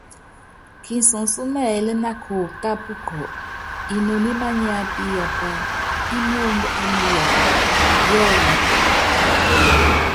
Kisunsɔ́ mɛ́ɛ́lɛ́ na kutápukɔ, inoni mániápíyapá ímóóndó ánuya yɔɔyipɔ.